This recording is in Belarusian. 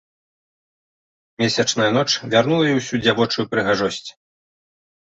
Месячная ноч вярнула ёй усю дзявочую прыгажосць.